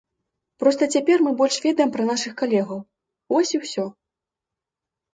Проста цяпер мы больш ведаем пра нашых калегаў, вось і усё.